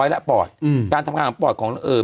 คือคือคือคือคือ